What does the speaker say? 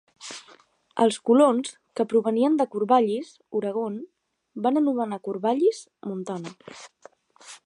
Els colons que provenien de Corvallis, Oregon, van anomenar Corvallis, Montana.